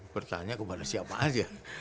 pertanya kepada siapa aja